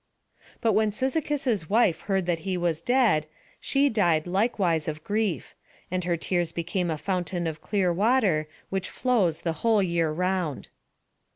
But when Cyzicus's wife heard that he was dead, she died likewise of grief; and her tears became a fountain of clear water, which flows the whole year round.